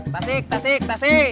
tasik tasik tasik